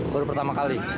baru pertama kali